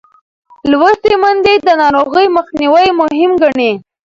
لوستې میندې د ناروغۍ مخنیوی مهم ګڼي.